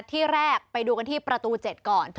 ที่แรกไปดูกันที่ประตู๗ก่อน